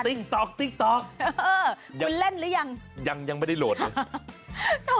ติ๊กต๊อกติ๊กต๊อกยังเล่นหรือยังยังยังไม่ได้โหลดเลย